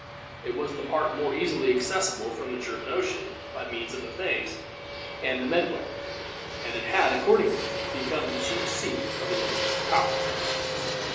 It was the part most easily accessible from the German Ocean, by means of the Thames and the Medway, and it had, accordingly, become the chief seat of the Northmen's power.